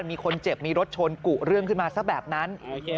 มีคนเจ็บมีรถชนกุเรื่องขึ้นมาซะแบบนั้น